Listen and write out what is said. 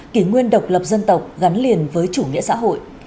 kỷ nguyên độc lập dân tộc gắn liền với chủ nghĩa xã hội